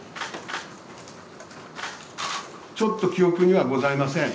ちょっと記憶にはございません。